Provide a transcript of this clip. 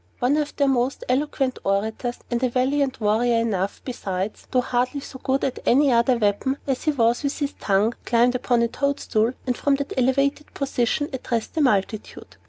One of their most eloquent orators (and a valiant warrior enough, besides, though hardly so good at any other weapon as he was with his tongue) climbed upon a toadstool, and, from that elevated position, addressed the multitude.